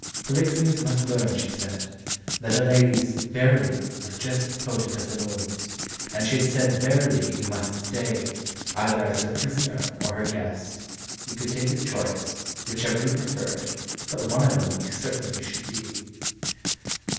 Polixenes must learn, she said, that a lady's "Verily" was just as potent as a lord's; and she had said "Verily" he must stay, either as her prisoner or her guest he could take his choice, whichever he preferred, but one of them he certainly should be.